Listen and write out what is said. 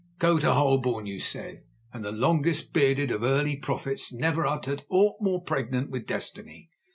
"Go to Holborn!" you said, and the longest bearded of early prophets never uttered aught more pregnant with Destiny.